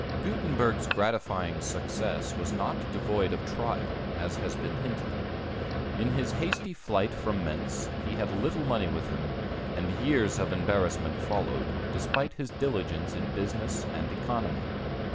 Gutenberg's gratifying success was not devoid of trial, as has been hinted. In his hasty flight from Mentz, he had little money with him, and years of embarrassment followed, despite his diligence in business and economy.